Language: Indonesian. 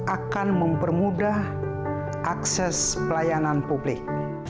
akan mempermudah akses pelayanan publik